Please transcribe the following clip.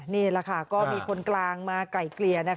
นี่แหละค่ะก็มีคนกลางมาไก่เกลี่ย